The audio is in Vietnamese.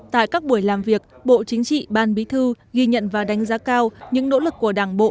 tại các buổi làm việc bộ chính trị ban bí thư ghi nhận và đánh giá cao những nỗ lực của đảng bộ